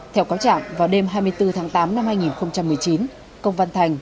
theo cáo trạng vào đêm hai mươi bốn tháng tám năm hai nghìn một mươi chín công văn thành